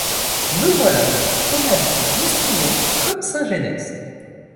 Me voilà donc en habit d’histrion, comme saint Genest.